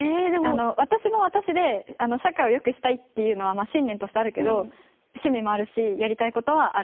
私も私で社会をよくしたいっていうのは信念としてあるけど趣味もあるしやりたいことはある。